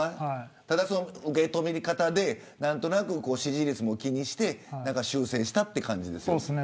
受け止め方で何となく支持率も気にして修正したって感じですよね。